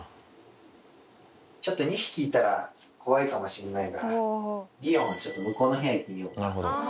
ちょっと２匹いたら怖いかもしんないからリオンはちょっと向こうの部屋行ってみようか。